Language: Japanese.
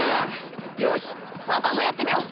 よしパパもやってみよう。